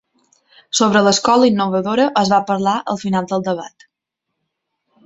Sobre l'escola innovadora es va parlar al final del debat.